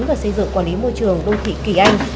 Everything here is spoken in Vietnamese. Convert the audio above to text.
và xây dựng quản lý môi trường đô thị kỳ anh